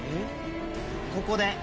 ここで。